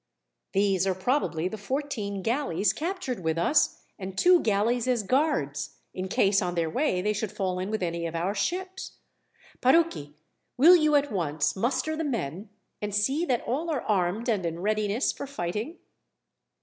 "These are probably the fourteen galleys captured with us, and two galleys as guards, in case, on their way, they should fall in with any of our ships. "Parucchi, will you at once muster the men, and see that all are armed and in readiness for fighting?